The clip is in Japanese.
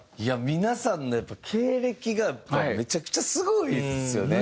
皆さんの経歴がめちゃくちゃすごいんですよね。